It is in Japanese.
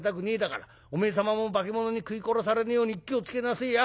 おめえ様も化物に食い殺されぬように気を付けなせえや。